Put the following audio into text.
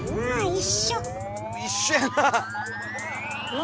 一緒やなあ。